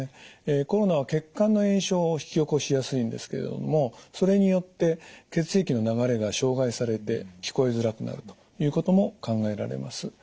コロナは血管の炎症を引き起こしやすいんですけれどもそれによって血液の流れが障害されて聞こえづらくなるということも考えられます。